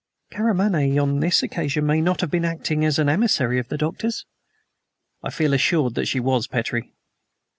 "Karamaneh on this occasion may not have been acting as an emissary of the Doctor's." "I feel assured that she was, Petrie.